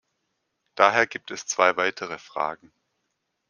Daher gibt es zwei weitere Fragen.